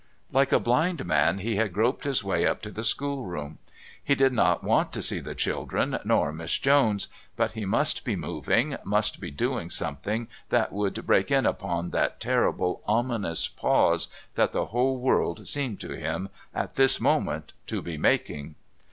Like a blind man he had groped his way up to the schoolroom. He did not want to see the children, nor Miss Jones, but he must be moving, must be doing something that would break in upon that terrible ominous pause that the whole world seemed to him, at this moment, to be making.